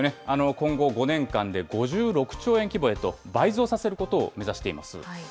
今後５年間で５６兆円規模へと倍増させることを目指しています。